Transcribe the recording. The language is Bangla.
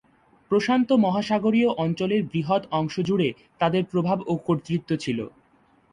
প্রশান্ত মহাসাগরীয় অঞ্চলের বৃহৎ অংশ জুড়ে তাদের প্রভাব ও কর্তৃত্ব ছিল।